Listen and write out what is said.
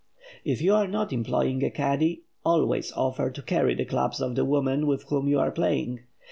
If you are not employing a caddie, always offer to carry the clubs of the woman with whom you are playing.